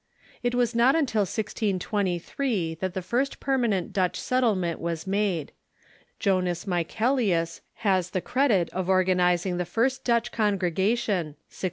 It was not until 1623 that the first permanent Dutch settlement was made. Jonas Michae lius has the credit of organizing the first Dutch congregation (1628).